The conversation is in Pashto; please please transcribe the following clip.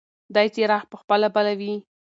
دی څراغ په خپله بلوي.